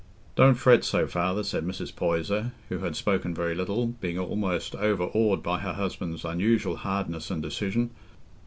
"Don't fret so, father," said Mrs. Poyser, who had spoken very little, being almost overawed by her husband's unusual hardness and decision.